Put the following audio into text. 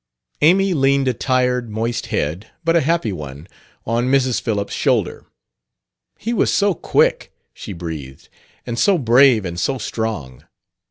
Amy leaned a tired, moist head, but a happy one, on Mrs. Phillips' shoulder. "He was so quick," she breathed, "and so brave, and so strong."